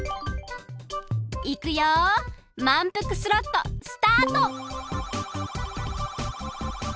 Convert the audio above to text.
いくよまんぷくスロットスタート！